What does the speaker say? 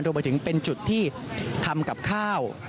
รวมไปถึงเป็นจุดที่ทำกับข้าว